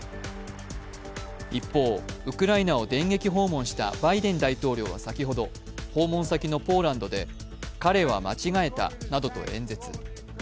一方、ウクライナを電撃訪問したバイデン大統領は先ほど訪問先のポーランドで彼は間違えたなどと演説。